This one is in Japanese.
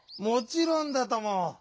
もちろんだとも！